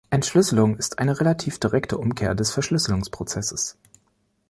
Entschlüsselung ist eine relativ direkte Umkehr des Verschlüsselungsprozesses.